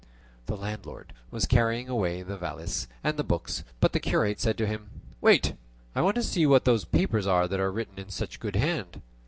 The landlord was carrying away the valise and the books, but the curate said to him, "Wait; I want to see what those papers are that are written in such a good hand."